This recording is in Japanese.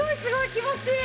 気持ちいい。